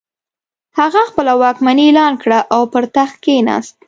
هغه خپله واکمني اعلان کړه او پر تخت کښېناست.